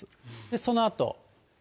そのあと。